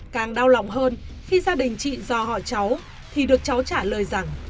càng đau lòng hơn khi gia đình chị rò hỏi cháu thì được cháu trả lời rằng